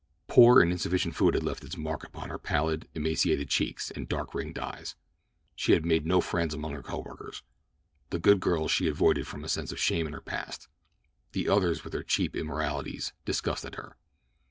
Poor and insufficient food had left its mark upon her pallid, emaciated cheeks and dark ringed eyes. She had made no friends among her coworkers. The good girls she avoided from a sense of shame in her past; the others, with their cheap immoralities, disgusted her.